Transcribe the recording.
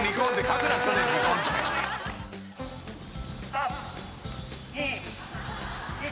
３・２・１。